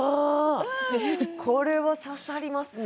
これは刺さりますね。